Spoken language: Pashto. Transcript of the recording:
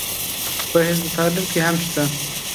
په حزب التحریر کې هم شته.